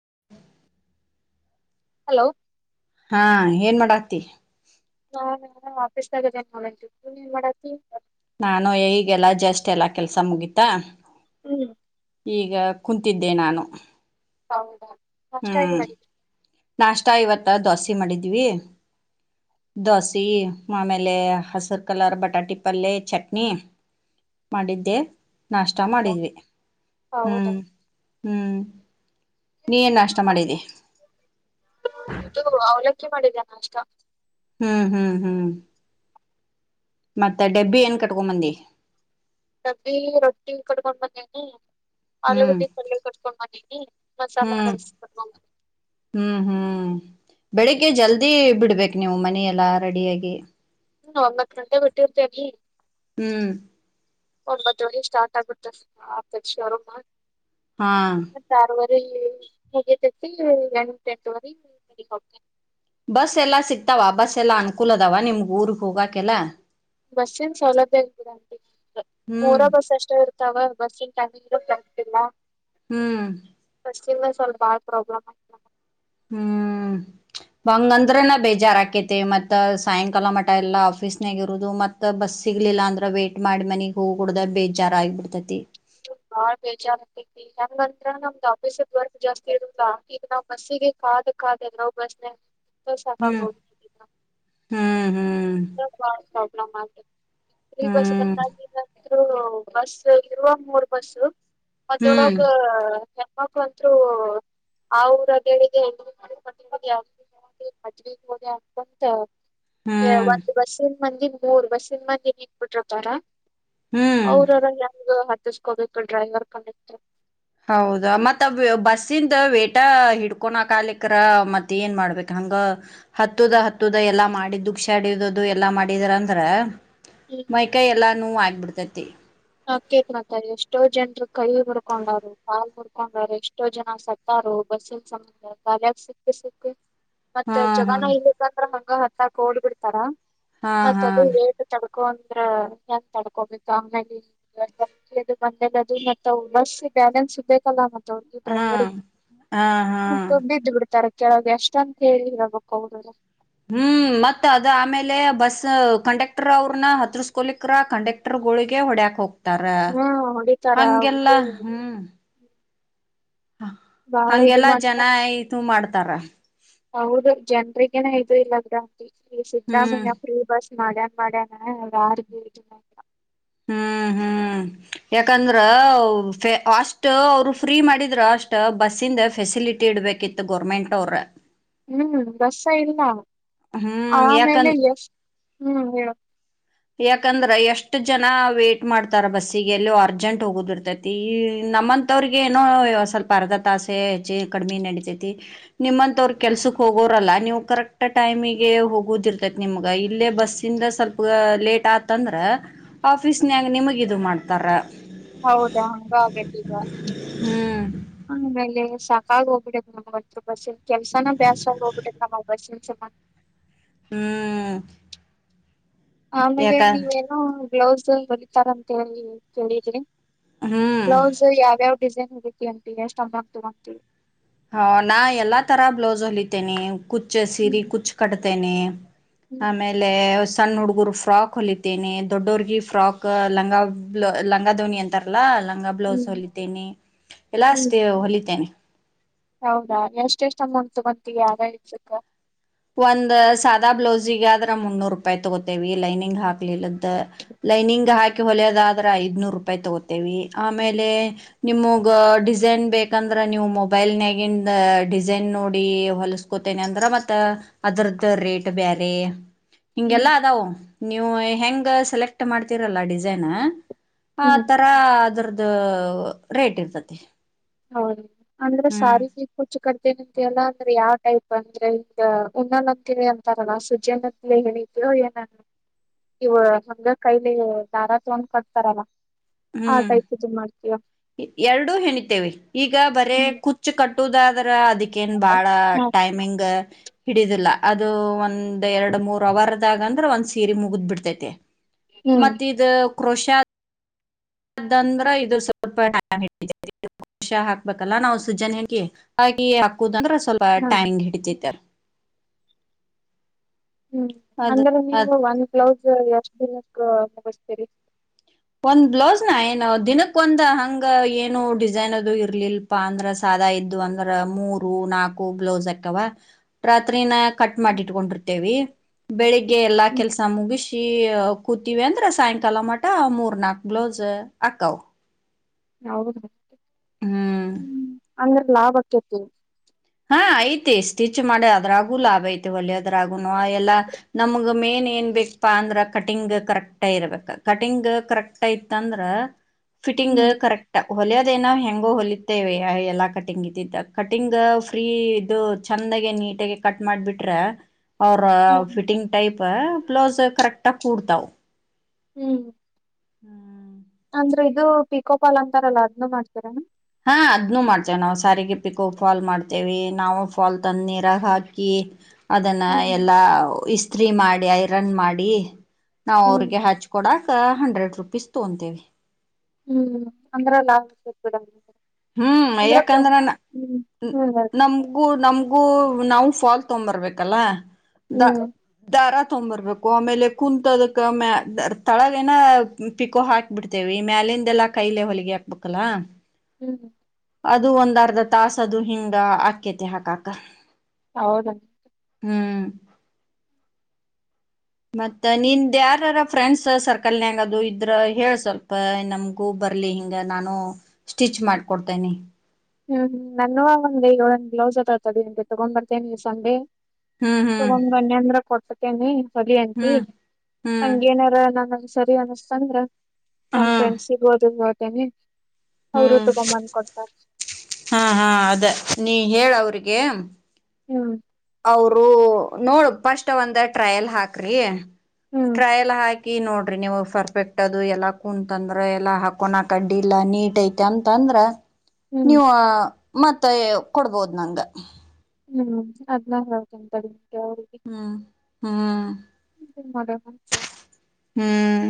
[inaudible] Hello ಹಾ ಏನ್ ಮಾಡ ಆತಿ ನಾನ್ ಇನ್ನಾ ಆಫೀಸ್ ನಾಗ್ ಅದೇನ್ ನೋಡ ನೀನ್ ಏನ್ ಮಾಡತೀ ನಾನು ಈಗೆಲ್ಲಾ ಜಸ್ಟ್ ಎಲ್ಲಾ ಕೆಲ್ಸ ಮುಗಿತ ಹ್ಮ್ ಈಗ ಕುಂತಿದ್ದೆ ನಾನು ಹೌದಾ ನಾಷ್ಟ ಏನ್ ಹ್ಮ್ ಮಾಡಿ ನಾಷ್ಟ ಇವತ್ತು ದೋಸೆ ಮಾಡಿದ್ವಿ ದೋಸೆ ಆಮೇಲೆ ಹಸಿರು ಕಲರ್ ಬಟಾಟಿ ಪಲ್ಲೆ ಚಟ್ನಿ ಮಾಡಿದ್ದೆ ನಾಷ್ಟ ಮಾಡಿದ್ವಿ ಹೌದಾ ಹ್ಮ್ ಹ್ಮ್ ನೀನ್ ನಾಷ್ಟ ಮಾಡಿದ್ದಿ ಅವಲಕ್ಕಿ ಮಾಡಿದ್ದೇನ ನಾಷ್ಟ ಹ್ಮ್ ಹ್ಮ್ ಹ್ಮ್ ಮತ್ತ ಡಬ್ಬಿ ಏನ್ ಕಟ್ಕೊಂಬಂದಿ ಡಬ್ಬಿರೊಟ್ಟಿ ಕಡ್ಕೊಂಡ್ ಬಂದಿನಿ ಹ್ಮ್ ಆಲೂಗಡ್ಡೆ ಪಲ್ಲೆ ಕಟ್ಕೊಂಡು ಬಂದೀನಿ ಮಸಾಲಾ ಹ್ಮ್ ರೈಸ್ ಕಟ್ಕೊಂಡ್ ಬ ಹ್ಮ್ ಹ್ಮ್ ಬೆಳಿಗ್ಗೆ ಜಲ್ದಿ ಬಿಡ್ಬೇಕು ನೀವು ಮನ ಎಲ್ಲಾ ರೆಡಿಯಾಗಿ ಹ್ಮ ಒಂಬತ್ತು ಗಂಟೆ ಬಿಟ್ಟಿರ್ತೇಲ್ಲಿ ಹ್ಮ್ ಒಂಬತ್ತು ಸ್ಟಾರ್ಟ್ ಆಗಿುತ್ತ ಅಪೇಕ್ಷೆ ಹಾ ಮು ಎೂತ್ತೆ ಎಂಟ ವರೆೋಡ್ತ ಬಸ್ ಎಲ್ಲಾ ಸಿಕ್ತಾವ ಬಸ್ ಎಲ್ಲಾ ಅನ್ಕೂಲ ಅದಾವ ನಿಮ್ಗ್ ಊರ್ಗ್ ಹೋಗಕಲ್ಲ ಬಸ್ಸನ್ ಸೌಲಭ್ಯ ಇತೀರಾಂಟ ಹ್ಮ್ ಮೂರ ಬಸ್ ಅಷ್ಟೇ ಇರ್ತ ತಗ ಬಸ್ ಟೈಮ ಇ ಬರ್ತಿ ಹ್ಮ್ ಮ ಸ್ವಲ್ಪ ಭಾಳ ಪ್ರಾಬ್ಲಮ್ ಆಗ್ ಹ್ಮ್ ಬಂಗಂದ್ರನ ಬೇಜಾರ ಆಕೇತಿ ಮತ್ತ ಸಾಯಂಕಾಲ ಮಠ ಎಲ್ಲಾ ಆಫೀಸ್ನಗ ಇರುದು ಮತ್ತತ್ ಬಸ್ ಸಿಗ್ಲಿಲ್ಲ ಅಂದ್ರ ವೇಟ್ ಮಾಡಿ ಮನಗ್ ಹೋಗ ಕುಡ್ದ ಬೇಜಾರ ಆಗಬಿಡ್ತೇತಿ ಬಾಳ್ ಬೇಜಾರೈತಿಂಗಂತ್ರ ನಮ್ದ್ ಆಫೀಸ ವರ್ಕ್ ಜಾಸ್ತಿ ಇರಲ್ಲಾ ಈಗ ನಾವ್ ಬಸ್ಸಿಗೆ ಕಾದ ಕಾದಲ್ವ ಬಸ್ ಶ ಬ ಹ್ಮ್ ಹ್ಮ್ ಹ್ಮ್ ಪ್ರಬಲ ಆ ಇರಿ ಬಸ ಹ್ಮ್ ಬನ್ನ ಬಸ್ ಇರುವ ಮೂರು ಹಸು ಹ್ಮ್ ಮದೊಳಗೆ ಮಕ್ಕಳಂದ್ರು ಆ ಊರ ಹೇಳಿಗೆ ಮದ ಹದೆ ಅಕಂತ ಹ್ಮ್ ಒಂದು ಬರ್ಸ ಮಂದಿ ಮೂರ್ ಬಸ್ಸಿನ ಮಂದಿ ಹಕ್ಬಿಟ್ರಪ್ಪಾರ ಹ್ಮ್ ಅವ್ರದ ಬೇಕ ಡ್ರೈವರ್ ಕಂಡಕ್ಟರ್ ಹೌದಾ ಮತ್ತ ಬಸ್ಸಿಂದ ವೇಟ ಹಿಡ್ಕೊಣ ಕಾಲಿಕರ ಮತ್ತ ಏನ್ ಮಾಡ್ಬೇಕ ಹಂಗ ಹತ್ತದ ಹತ್ತದ ಎಲ್ಲಾ ಮಾಡಿದ ದು ಶಾಡದು ಎಲ್ಲಾ ಮಾಡಿದ್ರ ಅಂದ್ರ ಮೈಕೈಿ ಎಲ್ಲಾ ನೂ ಆಗ್ಬಿಡ್ತೈತಿ ಮತ್ತು ಹ ಕೇಕ್ ಮತ ಎಷ್ಟೋ ಜನರು ಕೈ ಮುಡ್ಕೊಂಡಾರ ಕಾಲ್ ಮುಡ್ಕೊಂಡಾರ ಎಷ್ಟೋ ಜನ ಸತ್ತಾರು ಬಸ್ಸ ಸಂಬಂಧಲ್ ಯಕ ಸಿಕ್ಕ ಸಿಕ್ಕ ಹಾ ಮತ್ತೆ ಹಾ ಜಗನ ಇ ಬ ಹ ಹತ್ತಕೋಡ್ಬ ಬಿಡ್ತಾರಾ ಹಾ ಮತ್ತ ಹಾ ಅದ ತ ದ್ರ ಚಸ್ ತಡ್ಕೊಬೇಕು ಆಂಗ್ಯಲೆ ಅ ಬಂದದು ಮತ್ತ ಬರ್ಸ್ ಬ್ಯಾಲೆನ್ಸ್ ಸಿಗ್ಬೇಕಲ್ಲ ಮತ್ತೆ ಹಾ ಡ್ರೈವರಿಗೆ ಹಾ ಹಾ ಮತ್ತೆ ಬಿದ್ದು ಬಿಡ್ತಾರೆ ಕೆಳಗೆ ಎಷ್ಟಂತ ಹೇಳಿ ಇರಬೇಕ ಅವರುರು ಹ್ಮ್ ಮತ್ತತ್ ಅದ್ ಆಮೇಲೆ ಬಸ್ ಕಂಡಕ್ಟರ್ ಅವ್ರನ್ನ ಹತ್ರರ್ಸ್ಕೊಲಿಕ್ರ ಕಂಡಕ್ಟರ್ ಗೋಳಿಗೆ ಹೊಡ್ಯಾಕ್ ಹೋಗ್ತ ತರ ಹ್ಮ ಹೊಡಿತಾರ ಹಗೆಲ್ಲ ಅವ್ರಿಗೆ ಹ್ಮ್ ಹ ಬಾಳ ಇದು ಹಂಗೆಲ್ಲಾ ಜನ ಮಾಡ್ತಾರ ಇತ ಮಾಡ್ತ ತರ ಏನಾಯು ಇಲ್ಲದ್ರ ಹ್ಮ್ ಸಿದ್ದರಾಮಯ್ಯ ಪ್ರೀ ಭಾಷ ಮನ್ ಮಾಡಡಾನ ಯಾರಗ ಮಾಡ ಹ್ಮ್ ಹ್ಮ್ ಯಾಕಂದ್ರ ಅಷ್ಟ ಅವರು ಫ್ರೀ ಮಾಡಿದ್ರ ಅಷ್ಟ ಬಸ್ಸಿಂದ ಫೆಸಿಲಿಟಿ ಇಡ್ಬೇಕಿತ್ತು ಗೋರ್ಮೆಂಟ್ ಅವ್ರ ಹ್ಮ್ ಬರ್ಷ ಇಲ್ಲ ಹ್ಮ್ ಆಮೇಲೆ ಯಾಕಂದ ಎ ಹ್ಮ್ ಹೇಳ ಯಾಕಂದ್ರ ಎಷ್ಟು ಜನ ವೇಟ್ ಮಾಡ್ತಾರ ಬಸ್ಸಿಗೆ ಎಲ್ಲೋ ಅರ್ಜೆಂಟ್ ಹೋಗುದಿರ್ತೈತಿ ನಮ್ಮಂತವ್ರಗ ಏನೋ ಸ್ವಲ್ಪ ಅರ್ಧ ತಾಸೆ ಕಡಿಮೆ ನಡಿತತಿ ನಿಮ್ಮಂತವ್ರ ಕೆಲ್ಸಕ್ ಹೋಗೋರಲ್ಲ ನೀವು್ ಕರೆಕ್ಟ್ ಟೈಮಿಗೆ ಹೋಗುದಿರ್ತೈತಿ ನಿಮ್ಗ ಇಲ್ಲೇ ಬಸ್ಿಂದ ಸ್ವಲ್ಪ ಲೇಟ್ ಆತಂದ್ರೆ ಆಫೀಸ್ನ್ ಹೆಂಗೆ ನಿಮಗೆ ಇದು ಮಾಡ್ತಾರೆ ಹೌದಾ ಹಂಗ ಆಗತ್ತ ಈಗ ಹ್ಮ್ ಆಮೇಲೆ ಸಾಕ ಹಾಗ ಹೋಗ್ಬಿಡ ನಮ್ ಹತ್ರರು ಬಾಷೆ ಕೆಲ್ಸಾನಭ್ಯಾಸ ಆ ಹೋಗ್ಬಿಟ್ಟೆ ನ ಜಮನ್ ಹ್ಮ್ ಆಮೇಲೆ ಯಾಕ ನೀವೇನೋ ಗ್ಲೌಸ್ ಬಲಿತಾರ ಅಂತ ಹೇಳಿ ಕೇಳಿದ್ರಿ ಹ್ಮ್ ಬ್ಲೌಸ್ ಯಾವಾವ ಡಿಸೈನ್ ಹೇತಿ ಅಂತ ಎಷ್ಟುದ ಆಗ್ತ ಹಂತೀವಿ ಹ ನಾ ಎಲ್ಲಾ ತರ ಬ್ಲೌಸ್ ಹೊಲಿತೇನೆ ಕುಚ್ಚ ಸೀರೆ ಹ್ಮ್ ಕುಚ್ಚು ಕಟ್ತೇನೆ ಹ್ಮ್ ಆಮೇಲೆ ಸಣ್ಣ ಹುಡುಗರು ಫ್ರಾಕ್ ಹೊಲಿತೇನೆ ದೊಡ್ಡೋರಗಿ ಫ್ರಾಕ್ ಲಂಗ ಲಂಗಧವನಿ ಅಂತಾರಲ್ಲಾ ಹಂಗ ಬ್ಲೌಸ್ ಹ್ಮ್ ಹೊಲಿತೇನೆ ಎಲ್ಲಾ ಹ್ಮ್ ಅಷ್ಟೇ ಹೊಲಿತೇನೆ ಹೌದಾ ಎಷ್ಟ ಎಷ್ಟು ಅಮೌಂಟ್ಸ್ ಬಂತೀವಿ ಯಾರ ಇಸಕ್ಕ ಒಂದ್ ಸಾದಾ ಬ್ಲೌಸಗಾದ್ರ ಮುನ್ನೂ ರೂಪಾಯಿ ತಗೋತೇವಿ ಲೈನಿಂಗ್ ಹಾಕ್ಲಿಲ್ಲದ ಲೈನಂಗ ಹ್ಮ್ ಹಾಯಕ ಹೊಲ ಅದ ಐದ್ನೂರ್ ರೂಪಾಯಿ ತಗೋತೇವಿ ಆಮೇಲೆ ನಿಮಗ್ ಡಿಸೈನ್ ಬೇಕಂದ್ರ ನೀವು ಮೊಬೈಲ್ ನಗ ಡಿಸೈನ್ ನೋಡಿ ಹೊಲಸ್ಕೋತೇನೆ ಅಂದ್ರ ಮ ಅದ್ರದ್ದ ರೇಟ್ ಬೇರೆ ಇಂಗ ಎಲ್ಲಾ ಹ್ಮ್ ಅಾವ ನೀವು ಹೆಂಗ ಸೆಲೆಕ್ಟ್ ಮಾಡ್ತೀರಲ್ಲ ಡಿಸೈನ್ ಆ ಹ್ಮ್ ತರ ಅದ್ರದ್ದ ರೇಟ್ ಇರ್ತತಿ ಹೌದು ಅಂದ್ರೆ ಹ್ಮ್ ಸಾರಿ ಕುಚ್ಚು ಕಟ್ಟ ಸನಂತ ಅಲ್ಲ ಅಂದ್ರೆ ಯಾವ ಟೈಪ್ ಅಂದ್ರೆ ಹಗ ಉ್ಣನಂತ ಅಂತಾರಲ್ಲ ಸುಜ್ಯನ ಹೇಳಿದರು ಏನ ಇವ ಹಂಗ ಕೈಲಿ ದಾರ ತಗೊಂಡ್ ಕಟ್ತಾರಲ್ಲ ಆ ಹ್ಮ್ ಟೈಪ್ ಇದು ಮಾಡ್ತೀವ ಎರಡೂ ಹೆಣಿತೇವಿ ಈಗ ಬರೇ ಹ್ಮ ಕುಚ್ಚು ಕಟ್ಟ ಟದ ಆದ್ರ ಅದಕ್ಕೇನ್ ಬಾಳ ಟೈಮಿಂಗ್ ಹಿಡಿದಿಲ್ಲ ಅದು ಒಂದು ಒಂದು ಎರಡು ಮೂರು ಅವರು ಅಂದ್ರೆ ಒಂದ್ ಸೀರಿ ಮುಗಿದ್ ಬಿಡ್ತೈತೆ ಹ್ಮ್ ಮತ್ತ ಇ ಕ್ರೋಷ್ಯಾ ಅದಂದ್ರ ಇದದು ಸ್ವಲ್ಪಷ ಹಾಕ್ಬೇಕಲ್ಲ ನಾ್ ಸುಜನ್ ಹಿ ಹಾಗೆ ಹಾಕುದಂದ್ರ ಸ್ವಲ್ಪ ಹಾ ಟ್ಯಾಂಗ್ ಹಿಡಚೈತರ್ ಹ್ಮ್ ಅದ್ ಅಂದ್ರೆ ಅದ ನೀವು ಒಂದ ಕ್ಲೌಸ್ ಎಷ್ಟ್ ದಿನಕ್ಕೆ ಮುಗಿಸತೀರಿ ಒಂದ್ ಬ್ಲೌಸ್ ನ ಏನ ದಿನಕ್ಕ ಒಂದ ಹಂಗ ಏನು ಡಿಸೈನ್ ಅದು ಇರ್ಲಿಲ್ಪಾ ಅಂದ್ರ ಸಾದಾ ಇದ್ದು ಅಂದ್ರ ಮೂರು ನಾಕು ಬ್ಲೌಸ್ ಹಾಕವ ರಾತ್ರಿನ ಕಟ್ ಮಾಡಿ ಇಟ್ಕೊಂಡಿರ್ತೇವಿ ಬೆಳಿಗ್ ಎಲ್ಲಾ ಹ್ಮ್ ಕೆಲ್ಸ ಮುಗಿಸ್ ಕೂತೀವಿ ಅಂದ್ರೆ ಸಾಯಂಕಾಲ ಮಠ ಮೂರ್ ಪ್ರರ್ಣಾಗಲಜ ಅಕವು ಹೌದು ಹ್ಮ್ ಹ್ಮ ಅ ಲಾಭ ಆಕತ ಹಾ ಐತಿ ಸ್ಟಿಚ್ ಮಾಡಿ ಅದ್ರಾಗು ಲಾಭ ಐತೆ ಒಲದ್ರಾಗುನು ಎಲ್ಲಾ ನಮಗ್ ಮೇನ್ ಏನ್ ಬೇಕಪ್ಪಾ ಅಂದ್ರ ಕಟಿಂಗ್ ಕರೆಕ್ಟ್ ಇರ್ಬೇಕ ಕಟಿಂಗ್ ಕರೆಕ್ಟ್ ಐತ್ ಅಂದ್ರ ಫಿಟಿಂಗ್ ಹ್ಮ್ ಕರೆಕ್ಟ್ ಹೊಲೆಯ ನ ಹೆಂಗೋ ಹೊಲತ್ತೇವೆ ಎಲ್ಲಾ ಕಟಿಂಗ್ ಇದ್ದಿದ್ದ ಕಟಿಂಗ್ ಫ್ರೀ ಇದು ಚಂದಾಗ ನೀಟಾಗಿ ಕಟ್ ಮಾಡ್ಬಿಟ್ರೆ ಅವ್ರ ಹ್ಮ್ ಫಿಟಿಂಗ್ ಟೈಪ್ ಬ್ಲೌಸ್ ಕರೆಕ್ಟ್ ತ ಕೂಡ್ತವು ಹ್ಮ್ ಹ್ಮ್ ಅಂದ್ರೆ ಇದು ಪಿಕೋಪಾಲ್ ಅಂತಾರಲ್ಲ ಅದನ್ನು ಮಾಡ್ತೀರ ಹಾ ಅದ್ನು ಮಾಡ್ತೇವೆ ನಾವವು ಸಾರಿಗೆ ಪಿಕ್ಕು ಫಾಲ್ ಮಾಡ್ತೇವಿ ನಾವು ಫಾಲ್ ತಂದ ನೀರಾಗ ಹಾಕಿ ಅದನ್ನ ಹ್ಮ್ ಎಲ್ಲಾ ಇಸ್ತ್ರಿ ಮಾಡಿ ಮಾಡಿ ಐರನ್ ಮಾಡಿ ನಾವ್ ಹ್ಮ್ ಅವ್ರಿಗೆ ಹಚ್ಕೊಡ ಹಂಡ್ರೆಡ್ ರುಪೀಸ್ ತೊಂತೇವಿ ಹ್ಮ್ ಅಂದ್ರ ಲಾಡು [unintelligible] ಹ್ಮ್ ಯಾಕಂದ್ರ ಹ್ಮ್ ಅದ್- ನಮ್ಗೂ ನಮ್ ಗೂ ನಾವು ಫಾಲ್ ತೊಂಬರ್ಬೇಕಲ್ಲ ದ ಹ್ಮ್ ದಾರಾ ತೊಂಬರ್ಬೇಕು ಆಮೇಲೆ ಕುಂತದಕ್ಕ ತಳಗ ಏನ ಪಿಕೋ ಹಾಕ್ಬಿಡ್ತೇವಿ ಮ್ಯಾಲಿಂದೆಲ್ಲಾ ಕೈಲೆ ಹೊಲಿಗೆ ಹಾಕ್ಬೇಕಲ್ಲ ಹ್ಮ ಅದು ಒಂದರ್ಧ ತಾಸ ಅದು ಹಿಂಗ ಆಕೇತಿ ಹಾಕಾಕ ಹೌದ ಹ್ಮ್ ಮತ್ತ ನಿಂದ ಯಾರಾರ ಫ್ರೆಂಡ್ಸ್ ಸರ್ಕಲ್ನ್ಯಗ ಅದು ಇದ್ರ ಹೇಳ ಸ್ವಲ್ಪ ನಮಗೂ ಬರ್ಲಿ ಹಿಂಗ ನಾನು ಸ್ಟಿಚ್ ಮಾಡಕೊಡ್ತೇನಿ ಹ್ಮ್ ಹ್ಮ್ ನನ್ನವ ಒಂದೆ ಒಂದ್ ಏಳೆಟು ಬ್ಲೌಸ್ ಅದವಾ ತಡಿ ತಗೊಂಡ್ ಬರ್ತೇನಿ ಈ ಸಂಡೆ ಹ್ಮ್ ಹ್ಮ್ ತಗೊಂದ್ ಬಂದಿ ಅಂದ್ರ ಕೊಡ್ತ ತೆನಿ ಹೊಲಿ ಅಂತಿ ಹ್ಮ್ ಹ್ಮ್ ಹಂಗೇನರ ನ ಸರಿ ಅನಸ್ತ ಅಂದ್ರ ನಮ್ ಹ್ಮ್ ಫ್ರೆಂಡ್ಸ್ಗೂ ಅದು ಹೇಳ್ತೆ ಹೇಳ್ತೆನಿ ಅವರು ಹ್ಮ್ ತಗೊ ಬಂದ ಕೊಡ್ತಾರ ಹಾ ಹಾ ಅದ ನೀ ಹೇಳ ಅವ್ರಿಗೆ ಹ್ಮ್ ಅವರು ನೋಡ್ ಫಸ್ಟ್ ಒಂದ ಟ್ರಯಲ್ ಹಾಕ್ರಿ ಹ್ಮ್ ಟ್ರಾಯಲ್ ಹಾಕಿ ಕಿ ನೋಡ್ರಿ ನೀವು ಪರ್ಫೆಕ್ಟ್ ಅದು ಎಲ್ಲಾ ಕುಂತಂದ್ರ ಎಲ್ಲಾ ಹಾಕೊನಕಡ್ಡಿ ಇಲ್ಲಾ ನೀಟ್ ಐತಿ ಅಂತಂದ್ರ ಹ್ಮ್ ನೀವು ಮತ್ತೆ ಕೊಡ್ಬೋದು ನಂಗ ಹ್ಮ್ ಅದ್ನ್ನ ಹೇಳ್ತೆನಿ ತಡಿ ಹ್ಮ್ ಹ್ಮ್ ಮಾಡದ [unintelligible] ಹ್ಮ್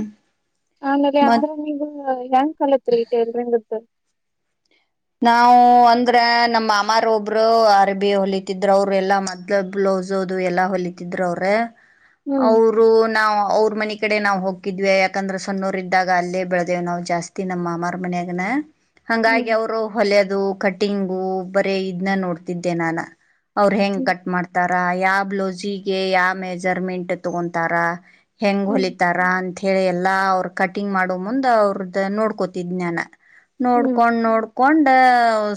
ಆಮೇಲೆ ಮತ್ ಅಂದ್ರ ನೀವು ಹ ಕಲತ್ರೀ ಟೇಲರಿಂಗದ್ದ ನಾವು ಅಂದ್ರ ನಮ್ಮ ಮಾಮರ ಒಬ್ರು ಅರಿಬಿ ಹೊಲಿತಿದ್ರು ಅವರು ಎಲ್ಲಾ ಮದ್ಲು ಬ್ಲೌಸ್ ಅದು ಎಲ್ಲಾ ಹೊಲಿತಿದರು ಅವ್ರ ಹ್ಮ್ ಅವರು ನಾವ ಅವ ಅವ್ರ ಮನೆ ಕಡೆ ನಾವ್ ಹೋಕ್ಕಿದ್ವಿ ಯಾಕಂದ್ರ ಸಣ್ಣೋರ್ ಇದ್ದಾಗ ಅಲ್ಲೇ ಬೆಳ್ದೇವ ನಾವ್ ಜಾಸ್ತಿ ನಮ್ಮ ಮಾಮಾರ್ ಮನಯಾಗನ ಹಂಗಾಗಿ ಹ್ಮ್ ಅವರು ಹೊಲೆದು ಕಟಿಂಗು ಬರೇ ಇದನ್ನ ನೋಡ್ತಿದ್ದೆ ನಾನ ಅವರು ಹೆಂಗ್ ಹ್ಮ್ ಕಟ್ ಮಾಡ್ತಾರ ಯಾವ ಬ್ಲೌಸಿಗೆ ಯಾವ ಮೆಜರ್ಮೆಂಟ್ ತಗೊತಾರ ಹೆಂಗ್ ಹ್ಮ್ ಹೊಲಿತಾರಾ ಅಂತ ಹೇಳಿ ಎಲ್ಲ ಎಲ್ಲಾ ಅವ್ರರು ಕಟಿಂಗ್ ಮಾಡೋ ಮುಂದ್ ಅವ್ರದ್ದ ನೋಡ್ಕೋತಿದ್ ನಾನ ಹ್ಮ್ ನೋಡ್ಕೊಂಡ್ ನೋಡ್ ಕೊಂಡ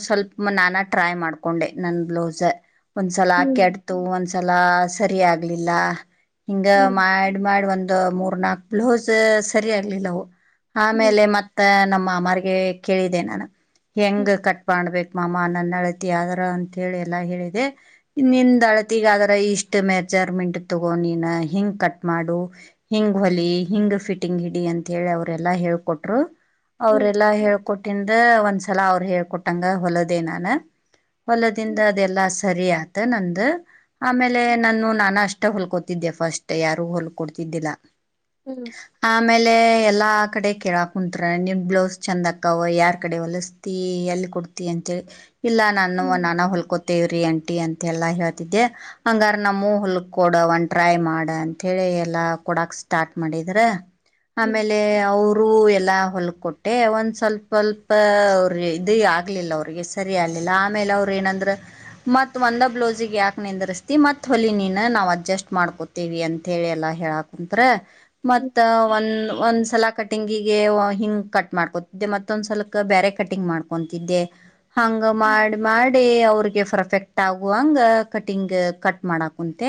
ಸ್ವಲ್ಪ ನಾನ ಟ್ರೈ ಮಾಡ್ಕೊಂಡೆ ನನ್ ಬ್ಲೌಸ್ ಒಂದ್ಸಲ ಆಕೆ ಹ್ಮ್ ಆಡ್ತು ಒಂದ್ಸಲ ಸರಿ ಆಗ್ಲಿಲ್ಲ ಹಿಂಗ ಮಾಡ ಮಾಡ ಒಂದ್ ಮೂ ನಾಲ್ಕು ಬ್ಲೌಸ್ ಸರಿ ಆಗ್ಲಿಲ್ಲವು ಹ್ಮ್ ಆಮೇಲೆ ಮತ್ತ ನ ಮಾಮಾರ್ಗೆ ಕೇಳಿದ್ದೆ ನಾನು ಹ್ಮ್ ಹ್ಮ್ ಹೆಂಗ ಕಟ್ ಮಾಡ್ಬೇಕು ಮಾಾಮಾ ನನ್ನ ಅಳತಿ ಆದ್ರ ಅಂಂತ ಹೇಳಿ ಎಲ್ಲಾ ಹೇಳಿದೆ ನಿನ್್ ಅಳತಿಗ ಆದ್ರ ಇಷ್ಟ ಮೆಜರ್ಮೆಂಟ್ ತಗೋ ನೀನ್ ಹಿಂಗ್ ಕಟ್ ಮಾಡು ಹಿಂಗ್ ಹೊಲಿ ಹಿಂಗ್ ಫಿಟಿಂಗ್ ಹಿಡಿ ಅಂತ ಹೇಳಿ ಅವ್ರೆಲ್ಲಾ ಹೇಳ್ಕೊಟ್ರು ಹ್ಮ್ ಅವ್ರಲ್ಲಾ ಹೇಳ್ಕೊಟ್ಟ ಇಂದ ಒನ್ಸ ಸಲಾ ಅವ್ರು ಹೇಳ್ಕೊಟ್ಟಂಗ ಹೊಲದೇ ನಾನು ಹ್ಮ್ ಹ್ಮ್ ಹೊಲದಿಂದ ಅದೆಲ್ಲಸ ಸರಿ ಆತ ನಂದ ಆಮೇಲೆ ನಾನು ನಾನ ಅಷ್ಟ ಹೊಲ್ಕೋತಿದ್ದೆ ಫಸ್ಟ್ ಯಾರು ಹೊಲ್ಕೊಡ್ತಿದ್ದಿಲ್ಲ ಹ್ಮ್ ಆಮೇಲೆ ಎಲ್ಲಾ ಕಡೆ ಕೆೇಳಾ ಕುಂಂತರ ನಿ್ ಬ್ಲೌಸ್ ಚಂದ ಅಕ್ಕವ ಯಾರ್ ಕಡೆ ಒಲ್ಲ ಎಲ್ಲಿ ಕೊಡ್ತಿ ಅಂತೇಳಿ ಇಲ್ಲಾ ನಾನು ನಾನ ಹೊಲ್ಕೋತೇವ್ರಿ ಅಂಟಿ ಅಂತ ಎಲ್ಲಾ ಹೇಳ್ತಿದ್ದೆ ಹಂಗಾರ ನಮ್ಮ ಹೊಲ್ ಕೊಡ ಒನ್ ಟ್ರೈ ಮಾಡ ಅಂತ ಹೇಳಿ ಎಲ್ಲಾ ಕೊಡಕ್ ಸ್ಟಾರ್ಟ್ ಮಾಡಿದ್ರ ಹ್ಮ್ ಹ್ಮ್ ಆಮೇಲೆ ಅವರು ರು ಎಲ್ಲಾ ಹೊಲ್ ಕೊಟ್ಟೆ ಒಂದ್ ಸ್ವಲ್ಪ ಸ್ಲ್ಪ ಅವರು ಇದು ಆಗಲಿಲ್ಲ ಅವಿಗೆ ಸರಿ ಆಗಲಿಲ್ಲ ಆಮೇಲೆ ಅವ್ರು ಏನಂದ್ರೆ ಮತ್ತು ಒಂದ ಬ್ಲೌಸಿಗೆ ಯಾಕೆ ನಿಂದಿರಿಸ್ತಿ ಮತ್ತು ಹೊಲ ನೀನು ನಾವು ಅಡ್ಜಸ್ಟ್ ಮಾಡ್ಕೋತೀವಿ ಅಂತಥೇಳಿ ಎಲ್ಲ ಹೇಳಕಂತರೆ ಮತ್ತ ಒಂದು ಒಂದ್ಸಲ ಕಟಿಂಗಿಗೆ ಹಿಂಗ್ ಕಟ್ ಮಾಡ್ಕೊತಿದ್ದೆ ಮತ್ತೊಂದ್ಸಲಲ್ ಬೇರೆ ಕಟಿಂಗ್ ಮಾಡ್ಕೊತಿದ್ದೆ ಹಂಗ ಹ್ಮ್ ಮಾಡಿ ಮಾಡಿ ಅವ ಅವಿಗೆ ಪಫರ್ಫೆಕ್ಟ್ ಆಗುವಂಗ ಕಟಿಂಗ್ ಕಟ್ ಮಾಡ ಕುಂತೆ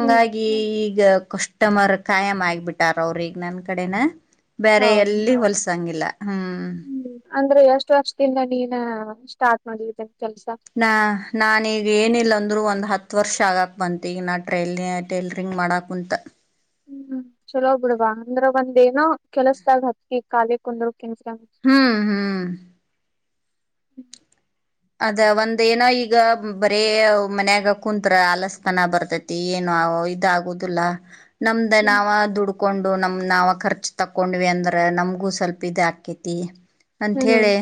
ಹ್ಮ್ ಈಗ ಕಷ್ಟ ಕಮರ್ ಕಾಯ್ ಆಗಿಬಿಟ್ಟಾರ ಅವ್ರ ಈಗ ನನ್ ಕಡೆನ ಬೇರೆ ಹೌದ ಎಲ್ಲಿ ಹೊಲ್ಸಂಗಿಲ್ಲ ಹ್ಮ್ ಹ್ಮ್ ಅಂದ್ರೆ ಎಷ್ಟು ವರ್ಷದಿಂದ ನೀನ ಸ್ಟಾರ್ಟ್ ಮಾಡಿದ್ದೇನೆ ನಾ ನೀಗ ಏನಿಲ್ಲ ಒಂದು ಅಂದ್ರು ಒಂದು ಹತ್ ವರ್ಷ ಆಗಕ್ ಬಂತ ಈಗ ನಾ ಟ ಟೇಲರಿಂಗ್ ಮಾಡಕುಂತ ಹ್ಮ್ ಚಲೋ ಬಿಡ್ಬ ಅಂದ್ರ ಒಂದ ಏನೋ ಕೆಲಸದಾಗ ಹತ್ಕಿ ಕಾಲಿ ಕುಂದರು ಓಕನ್ಸಲ ಹ್ಮ್ ಹ್ಮ್ ಹ್ಮ ಅದ ಒಂದ ಏನೋ ಈಗ ಬರೀ ಮನ್ಯಾಗ ಕುಂತ್ರ ಆಲಸ್ತನ ಬರ್ತೈತಿ ಏನೋ ಇದ ಆಾಗುದಿಲ್ಲ ನಮ್ದ ನಾವ ದುಡ್ಕೊಂಡ್ ನಮ ನಾವ ಖರ್ಚ ತಕೊಂಡ್ವಿ ಅಂದ್ರ ನಮ್ಗೂ ಸ್ವಲ್ಪ ಇದ ಹಾಕೇತಿ ಅಂತ ಹೇಳಿ ಹ್ಮ್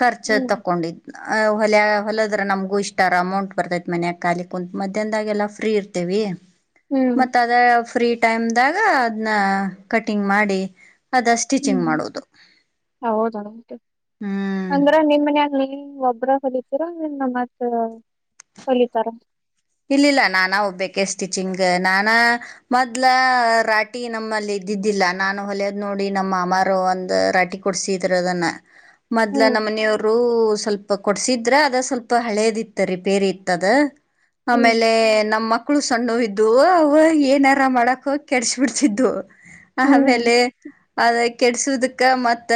ಖರ್ಚ ಹ್ಮ್ ತಕೊಂಡಿದ ಹೊಲ ಹೊಲದ್ರೆ ನಮಗೂ ಇಷ್ಟಾರ ಅಮೌಂಟ್ ಬರ್ತೈತೆ ಮನ್ಯಾಗೆ ಕಾಲಿ ಕುಂತತ್ ಮಧ್ಯಾಹನದಾಗೆಲ್ಲ ಫ್ರೀ ಇರ್ತೀವಿ ಹ್ಮ್ ಮತ್ತ ಅದ ಫ್ರೀ ಟೈಮ್ ದಾಗ ಅದ್ನ್ನ ಕಟಿಂಗ್ ಮಾಡಿ ಅದ ಸ್ಟಿಚಿಂಗ್ ಹ್ಮ್ ಮಾಡೋದು ಹೌದ ಹ್ಮ್ ಅಂದ್ರೆ ನಿಮ್ಮ ಮನ ನೀ ಒ ಒಬ್ರ ಹೊಲಿತೀರಾನ್ನ ಮತ್ ಹೊಲಿತಾರ ಇಲ್ಲಿಿಲ್ಲ ನಾನಾ ಒಬ್ಬೆ ಸ್ಟಿಚಿಂಗ್ ನಾನ ಮೊದ್ಲ ರಾಟಿ ನಮ್ಮಲ್ಲಿ ಇದ್ದಿದ್ದಿಲ್ಲ ನಾನು ಹೊಲೆಯದ್ ನೋಡಿ ನಮ್ಮ ಅಮಾರ ಒಂದ ರಾಟಿ ಕೊಡ್ಸಿದ್ರದನ್ನ ಮೊದ್ಲ ಹ್ಮ್ ನಮ್ಮ ಮನೆಯವರು ಸ್ವಲ್ಪ ಕೊಡ್ಸಿದ್ರ ಅದ ಸ್ವಲ್ಪ ಹಳೇದಿತ್ತ ರಿಪೇರಿ ಇತ್ತದ ಹ್ಮ್ ಆಮೇಲೆ ನಮ್ಮ ಮಕ್ಕಳು ಸಣ್ಣ ಇದ್ದು ಅವ ಏನಾರ ಮಾಡಕ ಕೆಡಸ ಬಿಿಡ್ತಿದ್ದವು ಹ್ಮ್ ಆಮೇಲೆ ಅದ ಕೆಡ್ಸದಕ್ಕ ಮತ್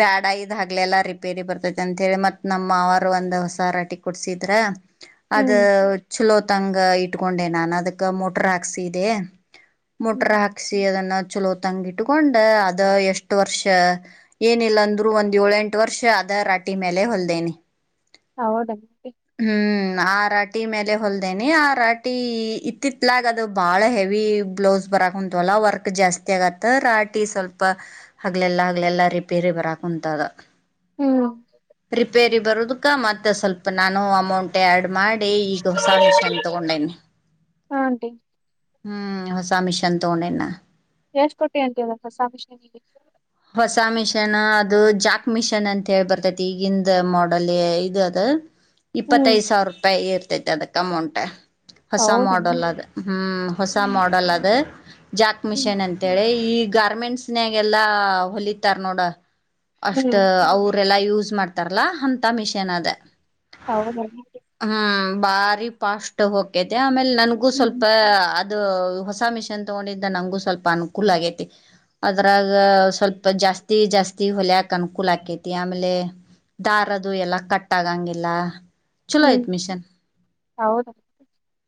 ಬ್ಯಾಡ ಇದ್ ಆಗ್ಲೆಲ್ಲಾ ರಿಪೇರಿ ಬರ್ತತಿ ಅಂತ ಹೇಳಿ ಮತ್ ನಮ್ಮ್ವರು ಒಂದ್ ಹೊಸ ರಟಿ ಕುಡ್ಸಿದ್ರ ಅದ ಹ್ಮ್ ಲ್ಲೋ ತಂಗ ಇಟ್ಕೊಂಡೆ ನಾನನ್ ಅದಕ್ ಮೋಟರ್ ಹಾಕ್ಸ ಇೆ ಮೊಟ್ರ ಹ್ಮ್ ಹಾಕ್ಸಿ ಅದನ್ನ ಚಲೋ ತಂಗ ಇಟ್ಕೊಂಡ ಅದ ಎಷ್ಟ್ ವರ್ಷ ಏನಿಲ್ಲ ಅಂದ್ರು ಒಂದ್ ಏಳ ಎಂಟು ವರ್ಷ ಅದ ರಾಟಿ ಮೇಲೆ ಹೊಲ್ದೇನಿ ಹೌದಾ ಆಂಟಿ? ಹ್ಮ್ ಆರಾ ಮ ಹೊಲ್ದೇನಿ ಆ ರಾಟಿ ಇತ್ತಿತ್ಲಾಗ ಅದು ಬಾಳ ಹೆವಿ ಬ್ಲೌಸ್ ಬರಾಕ ಕುಂತ್ಲ್ಲ ವರ್ಕ್ ಜಾಸ್ತಿ ಆಗತ್ತ ರಾಟಿ ಸ್ವಲ್ಪ ಹಗ್ಲೆಲ್ಲಾ ಹಗ್ಲೆಲ್ಲಾ ರಿಪೇರಿ ಬರಾಕ್ ಕುಂಂತದ ಹ್ಮ್ ರಿಪೇರಿ ಬರುೋದು ಮತ್ತೆ ಸ್ವಲ್ಪ ನಾನು ಅಮೌಂಟ್ ಆ್ಯಡ್ ಮಾಡಿ ಹೊಸಾಮಿಷ ಅಂತ ತಗೊಂಡೇಿ ಹಾ ಆಂಟಿ ಹ್ಮ್ ಹೊಸ ಸಮಮಿಷನ್ ತೋಣ ಇನ್ನ ಎಷ್ಟ ಕೊಟ್ಟಿ ಅಂತವಸ ಸಾಮಿಶನಿಗೆ ಹೊಸ ಮಿಷನ್ ಅದು ಜಾಕ್ ಮಿಷನ್ ಅಂತ ಹೇಳಳ್ ಬರ್ತೈತಿ ಈಗಿಿಂದ ಮಾಡೋಲ್ ಇದು ಅದು ಹ್ಮ್ ಇಪ್ಪತ್ತೈದು ಸಾವಿರ ರೂಪಾಯಿ ಇರ್ತ ಅದಕ್ಕ ಅಮೌಂಟ್ ಹೊಸ ಹೌದಾ ಮಾಡಲ್ ಅದ ಹ್ಮ್ ಹೊಸ ಹ್ಮ್ ಮಾಡಲ್ ಅದ ಜಾಕ್ ಹ್ಮ್ ಮಿಷನ್ ಅಂತೇಳಿ ಈಗ ಗಾರ್ಮೆಂಟ್ಸ್ನಾಗೆಲ್ಲ ಒಲಿತಾರ್ ನೋಡು ಅಷ್ಟ ಹ್ಮ್ ಅವ್ರ ಲ್ಲ ಯೂಸ್ ಮಾಡ್ತಾರಲ್ಲಾ ಅಂತ ಮಿಷಿನ್ ಅದೇ ಹೌದ ಬಾರಿ ಪಾಸ್ಟ್ ಹೋಗಕೈತಿ ಆಮೇಲೆ ನನ್ಗೂ ಸ್ವಲ್ಪ ಹ್ಮ್ ಅದು ಹೊಸ ಮಿಷನ್ ತಗೊಂಡಿದ್ದ ನನ್ಗೂ ಸ್ವಲ್ಪ ಅನುಕೂಲ ಆಗೈತಿ ಅದ್ರಾಗ ಸ್ವಲ್ಪ ಇಪ ಜಾಸ್ತಿ ಜಾಸ್ತಿ ಹೊಲಕ್ ಅನ್ಕೂಲ ಆಾಕೈತಿ ಆಮೇಲೆ ದಾರದು ಎಲ್ಲಾ ಕಟ್ ಆಗಂಗಿಲ್ಲ ಚಲೋ ಹ್ಮ್ ಐತ್ ಮಿಷನ್ ಹೌದ